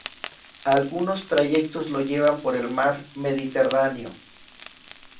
Algunos trayectos lo llevan por el Mar Mediterráneo.